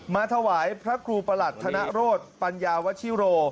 ถวายพระครูประหลัดธนโรธปัญญาวชิโร